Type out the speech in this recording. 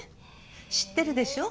知ってるでしょ？